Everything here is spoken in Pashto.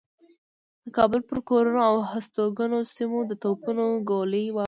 د کابل پر کورونو او هستوګنو سیمو د توپونو ګولۍ و اوروي.